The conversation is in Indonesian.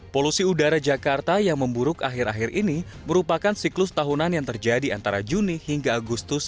polusi udara jakarta yang memburuk akhir akhir ini merupakan siklus tahunan yang terjadi antara juni hingga agustus